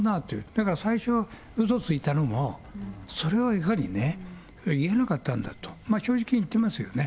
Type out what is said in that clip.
だから最初、うそついたのも、それはやはりね、言えなかったんだと、正直に言っていますよね。